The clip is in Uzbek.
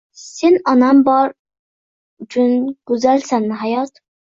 “Sen onam bor uchun guzalsan Hayot!”